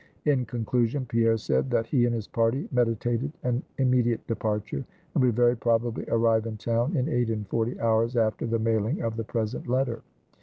In conclusion, Pierre said, that he and his party meditated an immediate departure, and would very probably arrive in town in eight and forty hours after the mailing of the present letter.